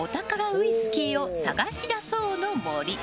ウイスキーを探し出そうの森。